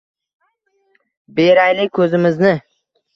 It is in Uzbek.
Beraylik ko‘zimizni.